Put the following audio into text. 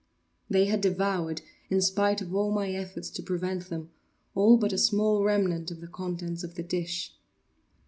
” They had devoured, in spite of all my efforts to prevent them, all but a small remnant of the contents of the dish.